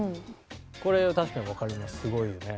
これは確かにわかりますすごいよね。